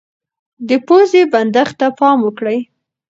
د پوزې بندښت ته پام وکړئ.